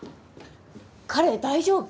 彼大丈夫？